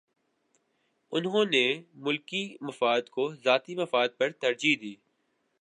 انہوں نے ہمیشہ ملکی مفاد کو ذاتی مفاد پر ترجیح دی۔